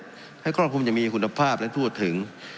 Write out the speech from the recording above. เพราะความคุ้มยังมีคุณภาพและทั่วถึง